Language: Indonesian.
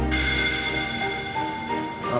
masalah gak mau cerita